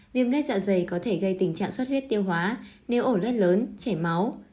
viêm lết dạ dày có thể gây tình trạng suất huyết tiêu hóa nếu ổ lướt lớn chảy máu